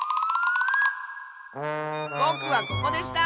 ぼくはここでした！